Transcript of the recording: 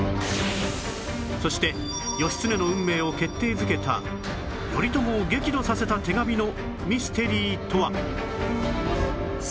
そして義経の運命を決定づけた頼朝を激怒させた手紙のミステリーとは？